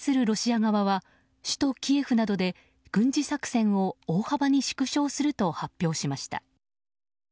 ロシア側は首都キエフなどで軍事作戦を大幅に縮小すると発表しました。